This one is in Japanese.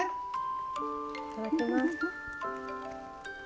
いただきます。